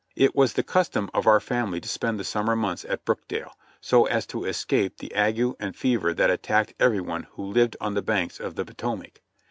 It was the custom of our family to spend the summer months at Brookdale, so as to escape the ague and fever that attacked every one who lived on the banks of the Potomac.